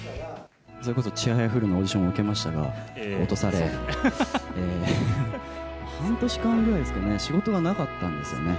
それこそ、ちはやふるのオーディションを受けましたが、落とされ、半年間ぐらいですかね、仕事がなかったんですよね。